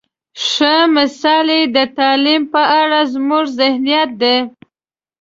ښه مثال یې د تعلیم په اړه زموږ ذهنیت دی.